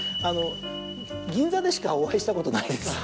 あの銀座でしかお会いしたことないです。